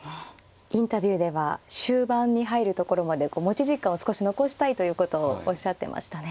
インタビューでは終盤に入るところまで持ち時間を少し残したいということをおっしゃってましたね。